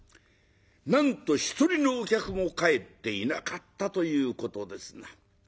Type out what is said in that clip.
なんと一人のお客も帰っていなかったということですな。